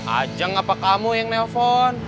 ajang apa kamu yang nelfon